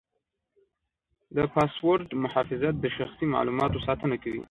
د پاسورډ محافظت د شخصي معلوماتو ساتنه کوي.